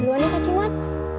buruan ya kacimot